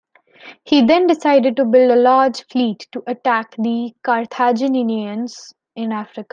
He then decided to build a large fleet to attack the Carthaginians in Africa.